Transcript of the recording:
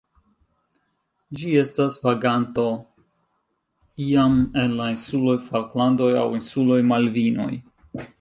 Ĝi estas vaganto iam en la insuloj Falklandoj aŭ insuloj Malvinoj.